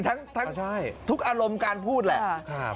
ทั้งทุกอารมณ์การพูดแหละ